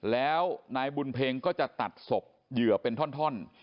แล้วนายบุญเพ็งก็จะตัดศพเหยื่อเป็นท่อน